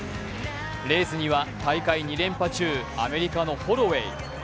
レースには大会２連覇中、アメリカのホロウェイ。